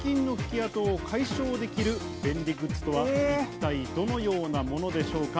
あとを解消できる便利グッズとは一体、どのようなものでしょうか。